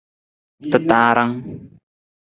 Tataarang.